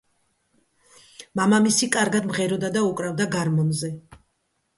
მამამისი კარგად მღეროდა და უკრავდა გარმონზე.